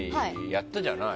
やったじゃない。